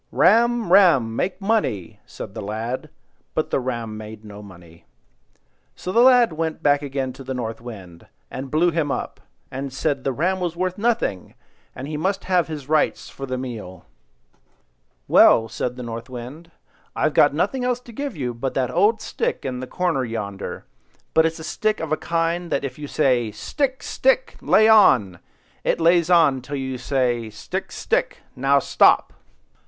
"Ram, ram! Make money!" said the lad; but the ram made no money. So the lad went back again to the North Wind, and blew him up, and said the ram was worth nothing, and he must have his rights for the meal. "Well," said the North Wind, "I've nothing else to give you but that old stick in the corner yonder; but it's a stick of that kind that if you say— 'Stick, stick! lay on!' it lays on till you say, 'Stick, stick! now stop!